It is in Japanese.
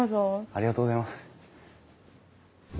ありがとうございます。